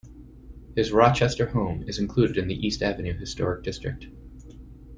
His Rochester home is included in the East Avenue Historic District.